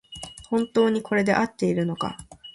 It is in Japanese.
本当にこれであっているのか